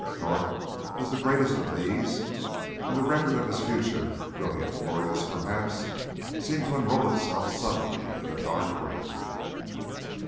North was the greatest of these; and the record of his future, brilliant, glorious perhaps, seemed to unroll itself suddenly in the dark room.